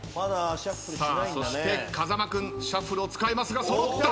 さあそして風間君シャッフルを使えますが揃った。